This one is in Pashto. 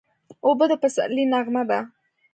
اوبه د پسرلي نغمه ده.